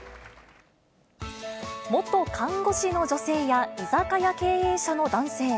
元看護師の女性や居酒屋経営者の男性。